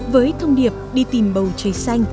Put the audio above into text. với thông điệp đi tìm bầu cháy xanh